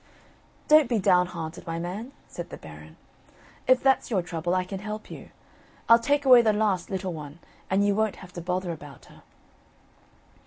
"Don't be downhearted, my man," said the Baron. "If that's your trouble, I can help you. I'll take away the last little one, and you wont have to bother about her."